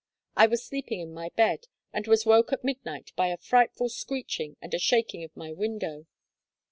I was sleeping in my bed, and was woke at midnight by a frightful screeching and a shaking of my window.